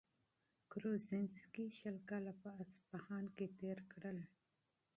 کروزینسکي شل کاله په اصفهان کي تېر کړل.